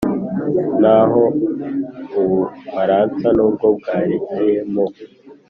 naho u bufaransa, nubwo bwarekeye mu